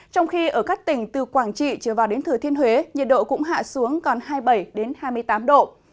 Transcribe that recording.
trong khi ở các tỉnh từ quảng trị trở vào đến thừa thiên huế nhiệt độ cũng hạ xuống còn hai mươi bảy hai mươi tám độ